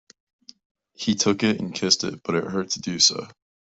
He took it and kissed it; but it hurt to do so.